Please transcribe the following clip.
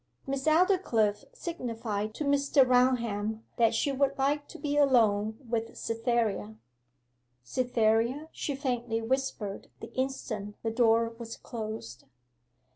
Miss Aldclyffe signified to Mr. Raunham that she would like to be alone with Cytherea. 'Cytherea?' she faintly whispered the instant the door was closed.